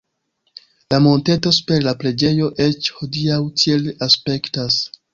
La monteto super la preĝejo eĉ hodiaŭ tiel aspektas.